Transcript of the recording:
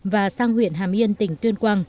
và sang huyện hàm yên tỉnh tuyên quang